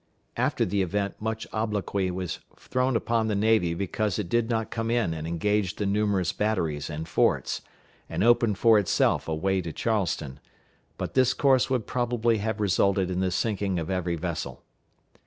After the event much obloquy was thrown upon the navy because it did not come in and engage the numerous batteries and forts, and open for itself a way to Charleston; but this course would probably have resulted in the sinking of every vessel.